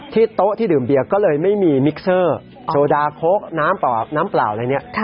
โต๊ะที่ดื่มเบียร์ก็เลยไม่มีมิกเซอร์โซดาโค้กน้ำเปล่าอะไรเนี่ย